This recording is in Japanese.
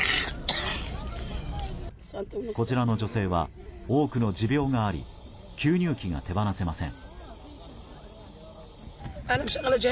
こちらの女性は多くの持病があり吸入器が手放せません。